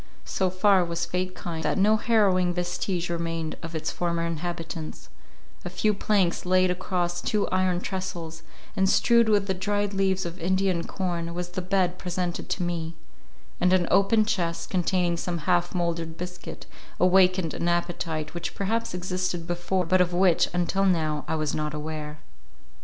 So far was fate kind, that no harrowing vestige remained of its former inhabitants; a few planks laid across two iron tressels, and strewed with the dried leaves of Indian corn, was the bed presented to me; and an open chest, containing some half mouldered biscuit, awakened an appetite, which perhaps existed before, but of which, until now, I was not aware.